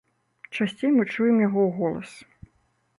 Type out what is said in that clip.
Часцей мы чуем яго голас.